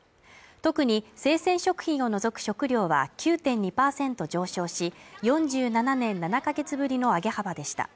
特に生鮮食品を除く食料は９．２％上昇し、４７年７か月ぶりの上げ幅でした。